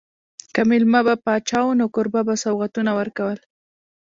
که مېلمه به پاچا و نو کوربه به سوغاتونه ورکول.